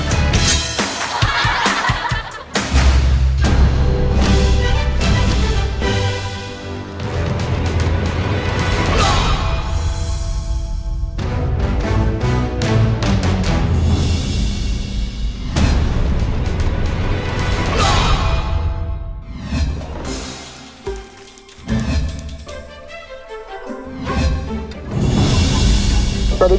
โอมิวเรียตาลูกทีมพลากุ้งไป